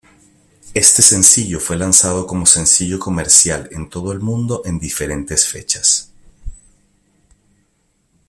Este sencillo fue lanzado como sencillo comercial en todo el mundo en diferentes fechas.